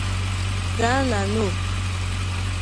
gaa na 'No